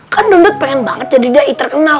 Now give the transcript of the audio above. kan dodot pengen banget jadi dayi terkenal